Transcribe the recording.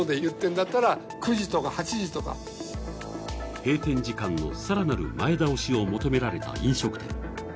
閉店時間の更なる前倒しを求められた飲食店。